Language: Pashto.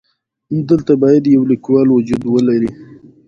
او ليکوال ئې William Mastrosimoneدے.